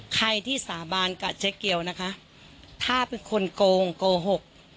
ใครที่สาบานกับเจ๊เกียวนะคะถ้าเป็นคนโกงโกหก